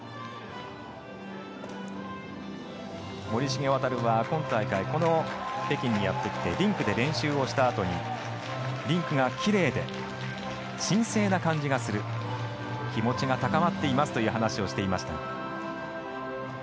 森重航は今大会この北京にやってきてリンクで練習をしたあとにリンクがきれいで神聖な感じがする気持ちが高まっていますという話をしていました。